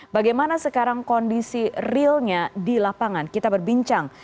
bagaimana sekarang kondisi realnya di lapangan kita berbincang